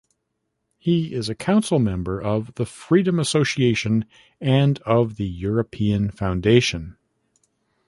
He is a council member of The Freedom Association and of the European Foundation.